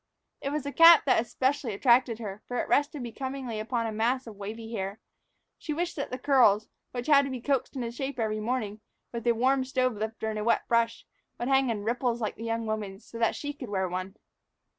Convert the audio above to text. It was the cap that specially attracted her, for it rested becomingly upon a mass of wavy hair. She wished that her curls, which had to be coaxed into shape every morning with a warm stove lifter and a wet brush, would hang in ripples like the young woman's, so that she could wear one.